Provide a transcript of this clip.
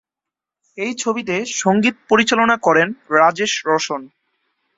এই ছবিতে সংগীত পরিচালনা করেন রাজেশ রোশন।